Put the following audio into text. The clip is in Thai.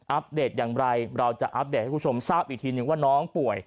เดตอย่างไรเราจะอัปเดตให้คุณผู้ชมทราบอีกทีนึงว่าน้องป่วย